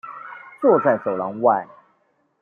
坐在走廊外